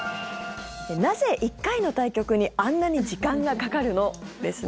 なぜ、１回の対局にあんなに時間がかかるの？ですね。